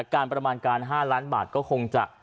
การประมาณการ๕ล้านบาทก็คงจะ